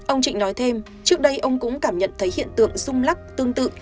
ông trịnh nói thêm trước đây ông cũng cảm nhận thấy hiện tượng rung lắc tương tự